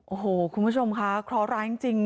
โอ้โหคุณผู้ชมค่ะคล้อร้ายจริงจริง